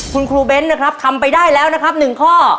คุณครูเบ้นนะครับทำไปได้แล้วนะครับ๑ข้อ